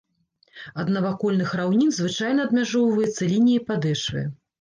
Ад навакольных раўнін звычайна адмяжоўваецца лініяй падэшвы.